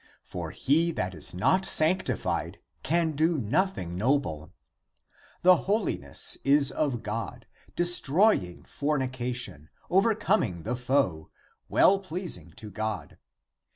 <For he that is not sanctified can do nothing noble. > The holiness is of God, destroying fornication, overcoming the foe, well pleasing to God.